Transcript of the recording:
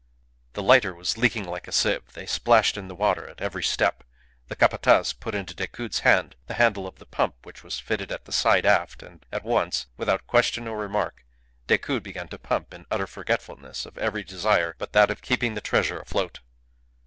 The lighter was leaking like a sieve. They splashed in the water at every step. The Capataz put into Decoud's hands the handle of the pump which was fitted at the side aft, and at once, without question or remark, Decoud began to pump in utter forgetfulness of every desire but that of keeping the treasure afloat.